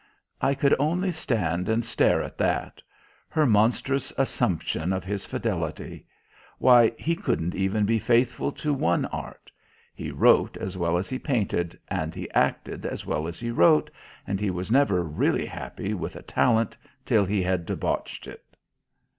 I could only stand and stare at that; her monstrous assumption of his fidelity. Why, he couldn't even be faithful to one art. He wrote as well as he painted, and he acted as well as he wrote, and he was never really happy with a talent till he had debauched it.